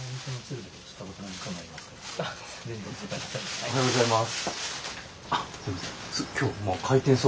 おはようございます。